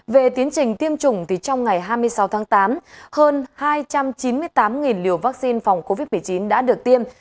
về tiến trình tiêm chủng trong ngày hai mươi sáu tháng tám hơn hai trăm chín mươi tám liều vaccine phòng covid một mươi chín đã được tiêm